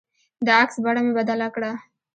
د عکس بڼه مې بدله کړه.